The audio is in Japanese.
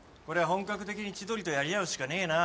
本格的に千鳥とやり合うしかねえな。